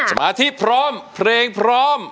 สมาธิพร้อมเพลงพร้อม